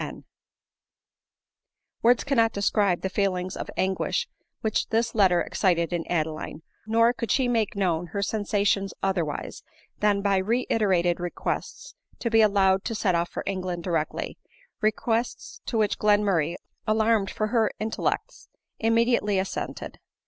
N ?" Words cannot describe the feelings of anguish which this letter excited in Adeline ; nor could she make known her sensations otherwise than by reiterated requests to be allowed to set off for England directly — requests to which Glenmutray, alarmed for her intellects, immediate ly assented.